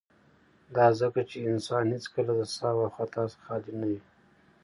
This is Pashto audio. ، دا ځکه چې انسان هيڅکله د سهو او خطا څخه خالي نه وي.